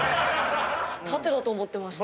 縦だと思ってました。